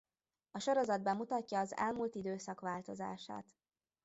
A sorozat bemutatja az elmúlt időszak változását.